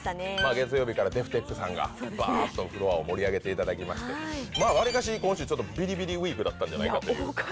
月曜からＤｅｆＴｅｃｈさんがぱーっとフロアを盛り上げていただきまして割りかし今週ビリビリウィークだったんじゃないかという。